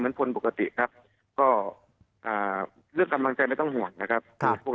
เป็นคนปกติครับก็ลือกกำลังใจไม่ทั้งห่วงนะครับทั่ว